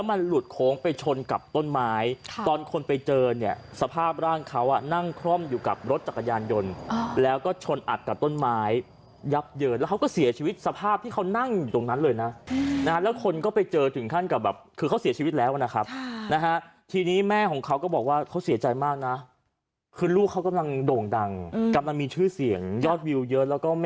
มันหลุดโค้งไปชนกับต้นไม้ตอนคนไปเจอเนี่ยสภาพร่างเขาอ่ะนั่งคล่อมอยู่กับรถจักรยานยนต์แล้วก็ชนอัดกับต้นไม้ยับเยินแล้วเขาก็เสียชีวิตสภาพที่เขานั่งอยู่ตรงนั้นเลยนะนะฮะแล้วคนก็ไปเจอถึงขั้นกับแบบคือเขาเสียชีวิตแล้วนะครับนะฮะทีนี้แม่ของเขาก็บอกว่าเขาเสียใจมากนะคือลูกเขากำลังโด่งดังกำลังมีชื่อเสียงยอดวิวเยอะแล้วก็ไม่